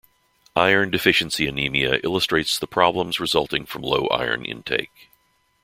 Iron-deficiency anemia illustrates the problems resulting from low iron intake.